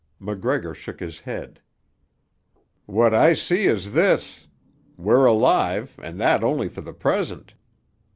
MacGregor shook his head. "What I see is this: we're alive, and that only for the present.